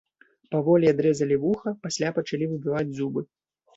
Паволі адрэзалі вуха, пасля пачалі выбіваць зубы.